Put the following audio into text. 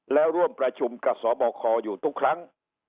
แล้วร่วมประชุมกับสบคอยู่ทุกครั้ง